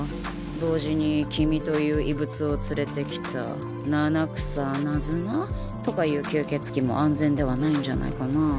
同時に君という異物を連れてきた七草ナズナ？とかいう吸血鬼も安全ではないんじゃないかな。